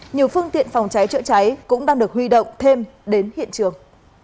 nhiều phương tiện phòng cháy chữa cháy cũng đang được huy động thêm đến hiện trường